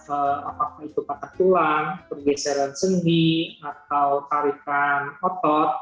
apakah itu patah tulang pergeseran sendi atau tarikan otot